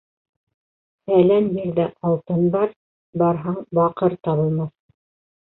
Фәлән ерҙә алтын бар, барһаң -Баҡыр табылмаҫ.